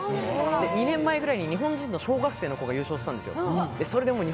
２年前くらいに日本人の小学生の子が優勝したんです。